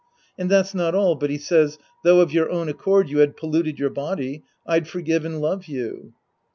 And that's not all, but he says, " Though of your own accord you had polluted your body, I'd forgive and love you."